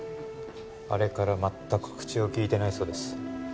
あれから全く口をきいてないそうです